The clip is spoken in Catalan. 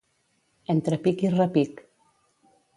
Entre pic i repic.